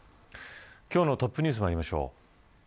今日のトップニュースまいりましょう。